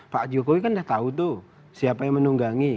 pak jokowi kan sudah tahu siapa yang menunggangi